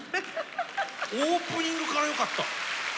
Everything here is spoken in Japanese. オープニングからよかった。